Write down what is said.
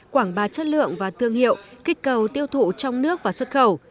quảng bá chất lượng và thương hiệu kích cầu tiêu thụ trong nước và xuất khẩu